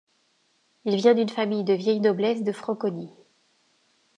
Il vient d'une famille de vieille noblesse de Franconie.